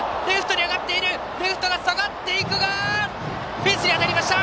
フェンスに当たりました！